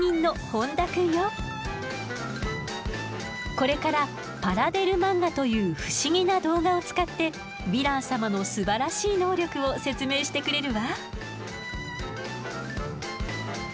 これからパラデル漫画という不思議な動画を使ってヴィラン様のすばらしい能力を説明してくれるわ。